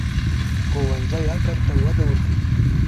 ښوونځی عقل ته وده ورکوي